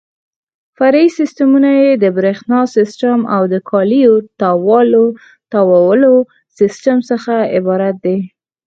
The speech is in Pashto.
فرعي سیسټمونه یې د برېښنا سیسټم او د کالیو تاوولو سیسټم څخه عبارت دي.